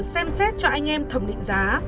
xem xét cho anh em thẩm định giá